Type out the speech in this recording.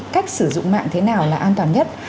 cách sử dụng mạng thế nào là an toàn nhất